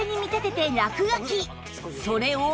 それを